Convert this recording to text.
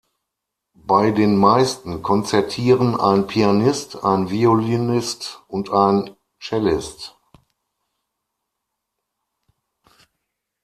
Bei den meisten konzertieren ein Pianist, ein Violinist und ein Cellist.